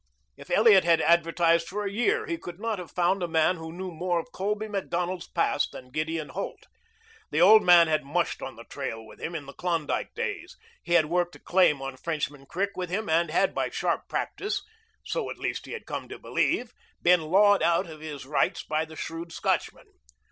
If Elliot had advertised for a year he could not have found a man who knew more of Colby Macdonald's past than Gideon Holt. The old man had mushed on the trail with him in the Klondike days. He had worked a claim on Frenchman Creek with him and had by sharp practice so at least he had come to believe been lawed out of his rights by the shrewd Scotchman.